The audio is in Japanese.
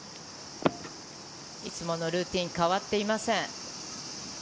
いつものルーティン、変わっていません。